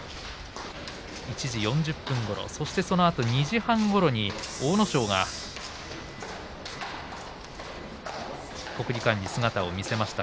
１時４０分ごろ、そしてそのあと２時半ごろに阿武咲が国技館に姿を見せました。